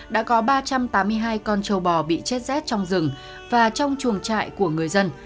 đã có ba trăm tám mươi hai con châu bò bị chết rét trong rừng và trong chuồng trại của người dân